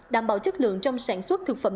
đảm bảo chất lượng trong sản xuất thực phẩm